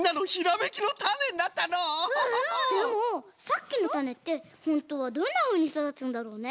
でもさっきのたねってホントはどんなふうにそだつんだろうね？